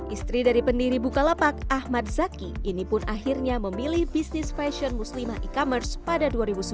istri dari pendiri bukalapak ahmad zaki ini pun akhirnya memilih bisnis fashion muslimah e commerce pada dua ribu sebelas